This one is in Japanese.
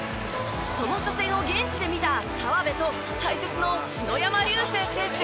その初戦を現地で見た澤部と解説の篠山竜青選手。